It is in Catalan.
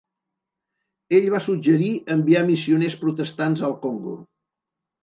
Ell va suggerir enviar missioners protestants al Congo.